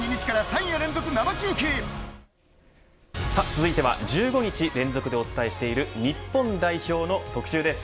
続いては１５日連続でお伝えしている日本代表の特集です。